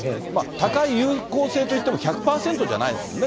高い有効性といっても、１００％じゃないですもんね。